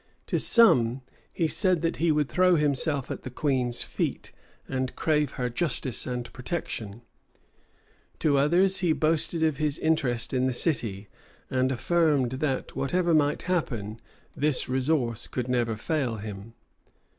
To some, he said that he would throw himself at the queen's feet, and crave her justice and protection; to others, he boasted of his interest in the city, and affirmed that, whatever might happen, this resource could never fail him.